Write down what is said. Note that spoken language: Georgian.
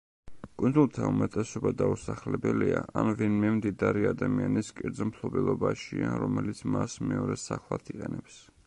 კუნძულთა უმეტესობა დაუსახლებელია ან ვინმე მდიდარი ადამიანის კერძო მფლობელობაშია, რომელიც მას მეორე სახლად იყენებს.